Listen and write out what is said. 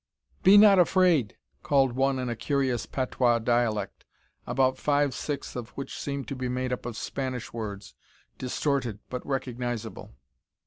"Be not afraid," called one in a curious patois dialect, about five sixths of which seemed made up of Spanish words, distorted but recognizable.